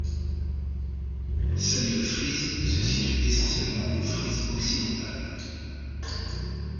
Celles de Frise se situent essentiellement en Frise occidentale.